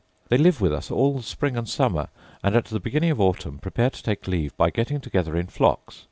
They live with us all the spring and summer and at the beginning of autumn prepare to take leave by getting together in flocks.